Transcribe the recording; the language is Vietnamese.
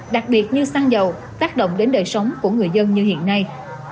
đặc biệt như xăng dầu tác động đến đời sống của người dân như hiện nay